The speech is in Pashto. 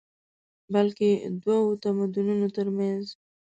بلکې دوو تمدنونو تر منځ